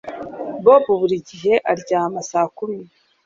bob buri gihe aryama saa kumi